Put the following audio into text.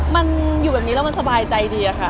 มันอยู่แบบนี้แล้วมันสบายใจดีอะค่ะ